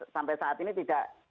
sampai saat ini tidak